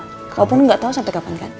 walaupun gak tau sampai kapan kan